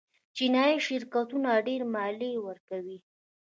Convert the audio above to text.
چینايي شرکتونه ډېرې مالیې ورکوي.